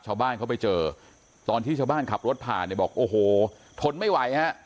ชาวบ้านเขาไปเจอตอนที่ชาวบ้านขับรถผ่านเนี่ยบอกโอ้โหทนไม่ไหวฮะ